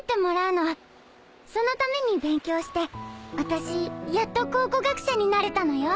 そのために勉強して私やっと考古学者になれたのよ